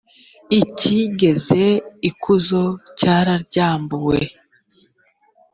icyigeze ikuzo cyararyambuwe